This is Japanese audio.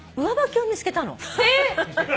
えっ！？